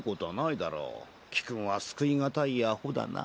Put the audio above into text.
貴君は救い難いアホだな。